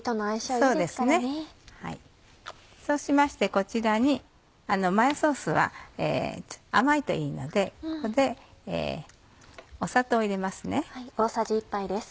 そうしましてこちらにマヨソースは甘いといいのでここで砂糖を入れますね。